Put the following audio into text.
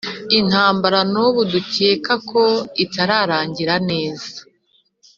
intambara n'ubu dukeka ko itararangira neza,